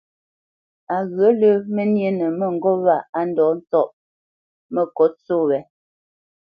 Á ghyə̂ lə́ mə́ nyénə mə́ŋgôp wa á ndɔ̌ ntsɔ́ʼ məkǒt só wě.